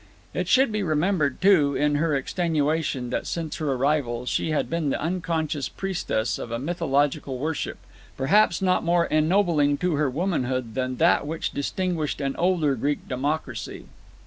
It should be remembered, too, in her extenuation that since her arrival, she had been the unconscious priestess of a mythological worship, perhaps not more ennobling to her womanhood than that which distinguished an older Greek democracy.